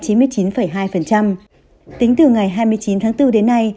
tính từ ngày hai mươi chín tháng bốn đến nay